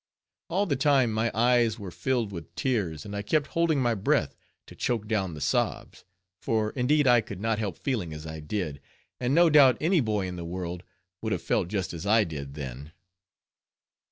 All the time my eyes were filled with tears, and I kept holding my breath, to choke down the sobs, for indeed I could not help feeling as I did, and no doubt any boy in the world would have felt just as I did then.